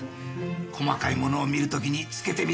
細かいものを見る時に着けてみてください。